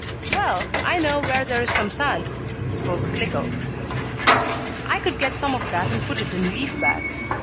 "Well, I know where there is some sand," spoke Slicko. "I could get some of that and put it in leaf bags.